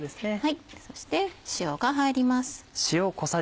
そして塩が入ります。